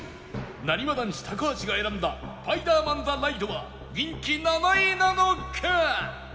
なにわ男子高橋が選んだスパイダーマン・ザ・ライドは人気７位なのか？